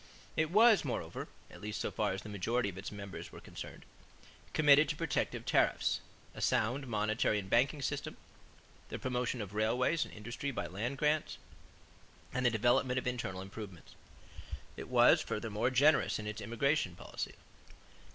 It was moreover at least so far as the majority of its members were concerned committed to protective tariffs, a sound monetary and banking system, the promotion of railways and industry by land grants, and the development of internal improvements. It was furthermore generous in its immigration policy.